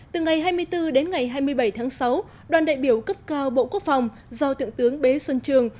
từ ngày hai mươi bốn đến ngày hai mươi bảy tháng sáu đoàn đại biểu cấp cao bộ quốc phòng do thượng tướng bế xuân trường